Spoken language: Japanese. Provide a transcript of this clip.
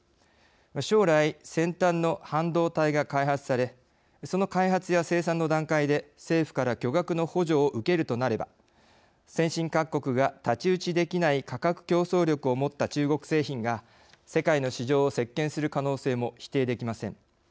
将来、先端の半導体が開発されその開発や生産の段階で政府から巨額の補助を受けるとなれば先進各国が太刀打ちできない価格競争力を持った中国製品が世界の市場を席けんする可能性も否定できません。